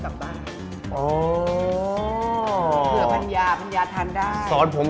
เพราะฉะนั้นถ้าใครอยากทานเปรี้ยวเหมือนโป้แตก